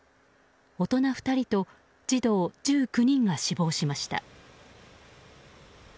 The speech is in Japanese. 大人２人と児童１９人が死亡しました。